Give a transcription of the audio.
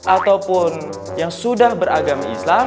ataupun yang sudah beragama islam